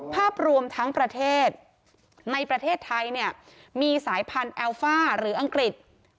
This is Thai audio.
ภาพรวมทั้งประเทศในประเทศไทยเนี่ยมีสายพันธุ์แอลฟ่าหรืออังกฤษ